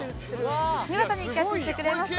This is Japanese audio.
見事にキャッチしてくれました。